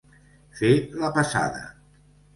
Fer la passada.